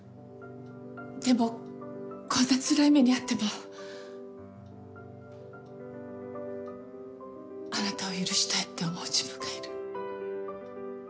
でもこんなつらい目に遭ってもあなたを許したいって思う自分がいる。